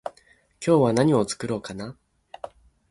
今日は何を作ろうかな？